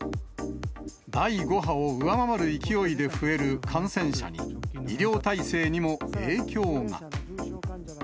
第５波を上回る勢いで増える感染者に、医療体制にも影響が。